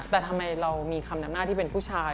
แต่ทำไมเรามีคำนำหน้าที่เป็นผู้ชาย